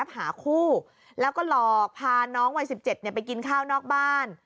หาคู่แล้วก็หลอกพาน้องวัย๑๗ไปกินข้าวนอกบ้าน